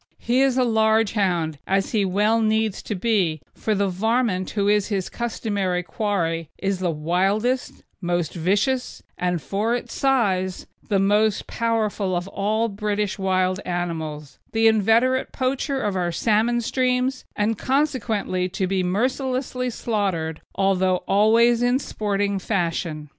He is a large hound, as he well needs to be, for the "varmint" who is his customary quarry is the wildest, most vicious, and, for its size, the most powerful of all British wild animals, the inveterate poacher of our salmon streams, and consequently to be mercilessly slaughtered, although always in sporting fashion.